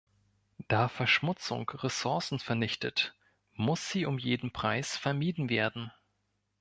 Da Verschmutzung Ressourcen vernichtet, muss sie um jeden Preis vermieden werden.